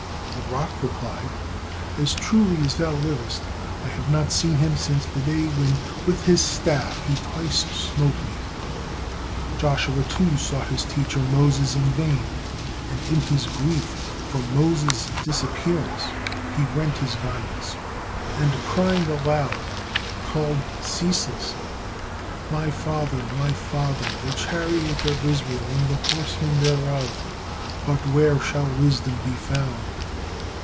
The rock replied, "As truly as thou livest, I have not seen him since the day when with his staff he twice smote me." Joshua, too, sought his teacher Moses in vain, and in his grief for Moses' disappearance he rent his garments, and crying aloud, called ceaselessly, "'My father, my father, the chariot of Israel and the horsemen thereof.' 'But where shall wisdom be found?'"